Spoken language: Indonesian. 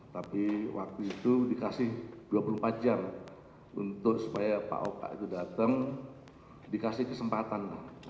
tapi waktu itu dikasih dua puluh empat jam untuk supaya pak oka itu datang dikasih kesempatan